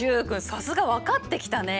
さすが分かってきたね！